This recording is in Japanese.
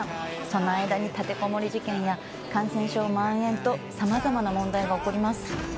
その間に立てこもり事件や感染症まん延とさまざまな問題が起こります。